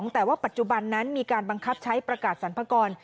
แต่ว่าปัจจุบันนั้นมีการบังคับใช้ประกาศสรรพากร